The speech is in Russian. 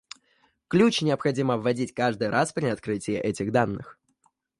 Ключ необходимо вводить каждый раз при открытии этих данных